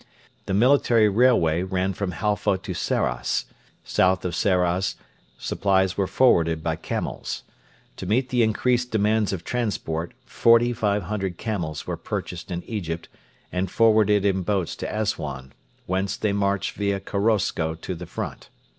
The military railway ran from Halfa to Sarras. South of Sarras supplies were forwarded by camels. To meet the increased demands of transport, 4,500 camels were purchased in Egypt and forwarded in boats to Assuan, whence they marched via Korosko to the front.